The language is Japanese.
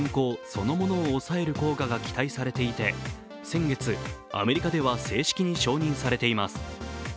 そのものを抑える効果が期待されていて先月、アメリカでは正式に承認されています。